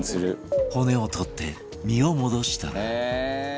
骨を取って身を戻したら